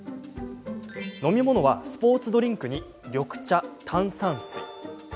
飲み物はスポーツドリンクに緑茶、炭酸水。